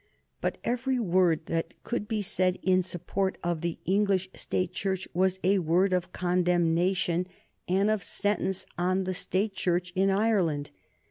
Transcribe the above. But every word that could be said in support of the English State Church was a word of condemnation and of sentence on the State Church in Ireland.